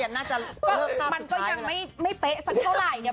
อย่างนั้นก็ยังไม่เป๊ะสักเท่าไหร่เนีย